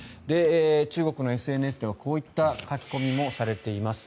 中国のＳＮＳではこういった書き込みもされています。